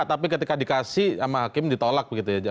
tapi ketika dikasih sama hakim ditolak begitu ya